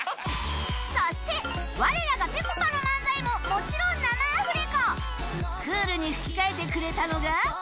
そして我らがぺこぱの漫才ももちろん生アフレコクールに吹き替えてくれたのが